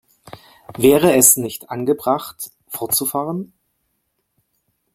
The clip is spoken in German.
Wäre es nicht angebracht, fortzufahren?